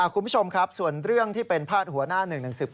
คุณผู้ชมครับส่วนเรื่องที่เป็นพาตหัวหน้า๑หนังสือพิมพ์